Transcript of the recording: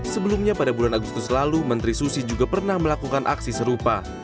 sebelumnya pada bulan agustus lalu menteri susi juga pernah melakukan aksi serupa